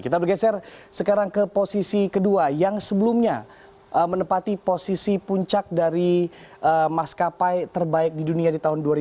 kita bergeser sekarang ke posisi kedua yang sebelumnya menempati posisi puncak dari maskapai terbaik di dunia di tahun dua ribu dua puluh